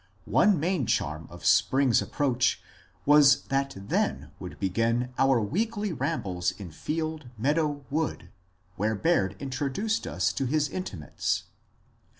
One main charm of spring's approach was that then would begin our weekly ram bles in field, meadow, wood, where Baird introduced us to his intimates.